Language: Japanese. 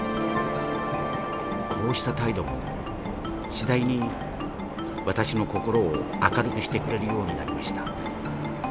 こうした態度も次第に私の心を明るくしてくれるようになりました。